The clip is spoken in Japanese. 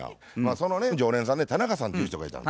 そのね常連さんで田中さんという人がいたの。